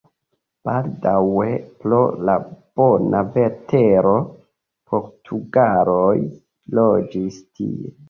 Baldaŭe pro la bona vetero portugaloj loĝis tie.